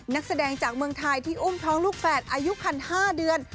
นักแสดงจากเมืองไทยที่อุ้มท้องลูกแฝดอายุคัน๕เดือน